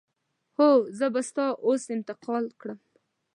هو، زه به تاسو اوس انتقال کړم.